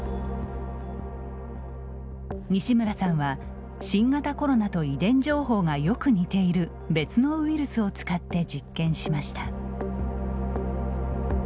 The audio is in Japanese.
西村さんは、新型コロナと遺伝情報がよく似ている別のウイルスを使って実験しました。